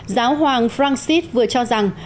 giáo hoàng francis vừa cho rằng